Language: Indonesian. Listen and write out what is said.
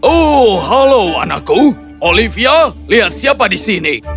oh halo anakku olivia lihat siapa di sini